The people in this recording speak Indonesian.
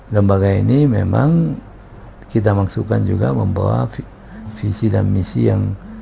lembaga ini memang kita maksudkan juga membawa visi dan misi yang